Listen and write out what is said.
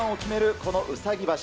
このうさぎ場所。